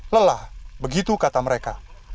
lelah begitu kata mereka